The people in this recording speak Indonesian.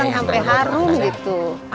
iya matang sampai harum gitu